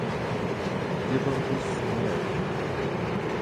je bam diś sumayar